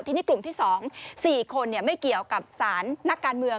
ทีนี้กลุ่มที่๒๔คนไม่เกี่ยวกับสารนักการเมือง